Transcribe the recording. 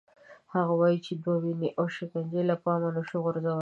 هغه وايي چې دومره وینې او شکنجې له پامه نه شو غورځولای.